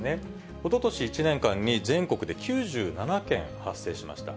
おととし１年間に全国で９７件発生しました。